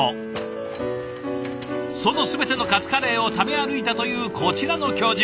その全てのカツカレーを食べ歩いたというこちらの教授。